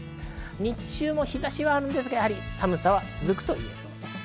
日中の日差しはあるんですが、寒さは続くという予想です。